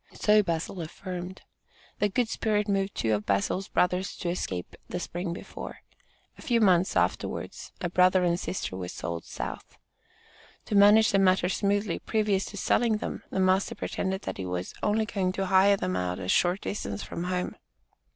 So Bazil affirmed. The good spirit moved two of Bazil's brothers to escape the spring before. A few months afterwards a brother and sister were sold south. To manage the matter smoothly, previous to selling them, the master pretended that he was "only going to hire them out a short distance from home."